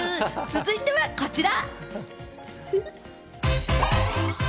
続いてはこちら。